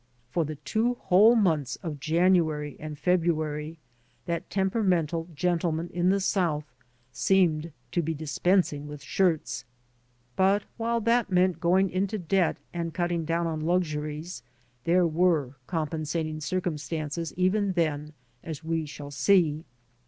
For the two whole months of January and February that temperamental gentleman in the South seemed to be dispensing with shirts. But while that meant going into debt and cutting down on luxuries, there were compensating circumstances even then, as we shall see.